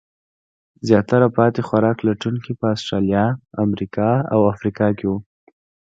زیاتره پاتې خوراک لټونکي په استرالیا، امریکا او افریقا کې وو.